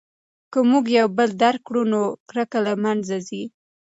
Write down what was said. که موږ یو بل درک کړو نو کرکه له منځه ځي.